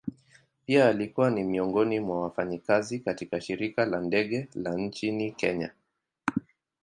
Pia alikuwa ni miongoni mwa wafanyakazi katika shirika la ndege la nchini kenya.